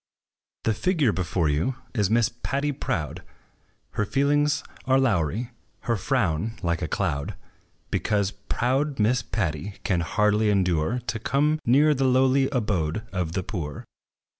The figure before you is Miss Patty Proud: Her feelings are lowery, her frown like a cloud; Because proud Miss Patty can hardly endure To come near the lowly abode of the poor.